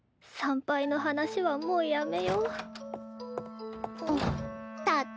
産廃の話はもうやめよう。